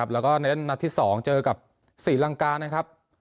แล้วก็ในนัดที่๒เจอกับศรีลังกา